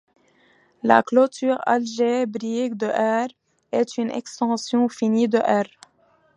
La clôture algébrique de ℝ est une extension finie de ℝ.